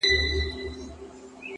توري شپې لا ګوري په سهار اعتبار مه کوه!